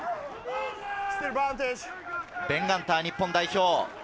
ベン・ガンター、日本代表。